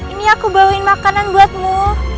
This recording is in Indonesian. ini aku bawain makanan buatmu